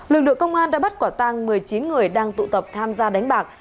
lực lượng công an đã bắt quả tang một mươi chín người đang tụ tập tham gia đánh bạc